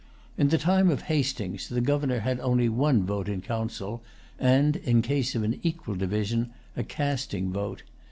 In the time of Hastings the Governor had only one vote in council, and, in case of an equal division, a casting vote.